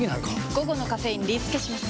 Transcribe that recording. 午後のカフェインリスケします！